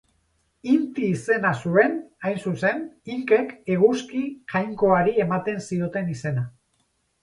Inti izena zuen, hain zuzen, Inkek eguzki jaionkari ematen zioten izena.